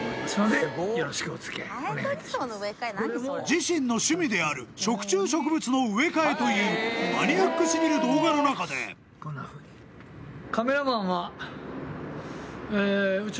自身の趣味である食虫植物の植え替えというマニアックすぎる動画の中でせのジャガジャン！